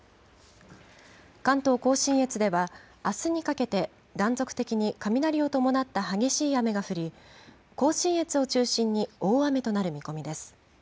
関東甲信越では、あすにかけて断続的に雷を伴った激しい雨が降り、甲信越を中心に大雨となる見込みです。